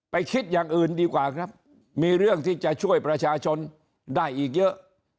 คิดอย่างอื่นดีกว่าครับมีเรื่องที่จะช่วยประชาชนได้อีกเยอะ